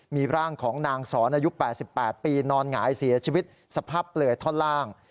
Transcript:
มีร่างของนางสอนอายุ๘๘ปีนอนหงายเสียชีวิตสภาพเปลือยท่อนล่าง